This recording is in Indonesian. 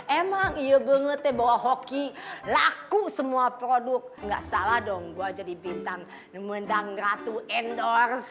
emang iya banget deh bahwa hoki laku semua produk gak salah dong gue jadi bintang mendang ratu endorse